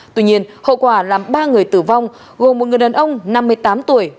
tuy nhiên hậu quả làm ba người tử vong gồm một người đàn ông năm mươi tám tuổi